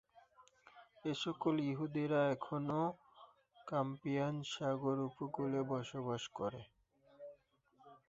এসকল ইহুদিরা এখনও কাস্পিয়ান সাগর উপকূলে বসবাস করে।